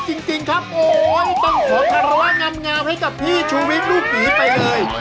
จริงครับโอ้ยต้องสดทะเลาะงามให้กับพี่ชุวิตลูกหญิงไปเลย